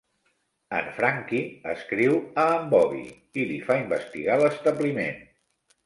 En Frankie escriu a en Bobby i li fa investigar l'establiment.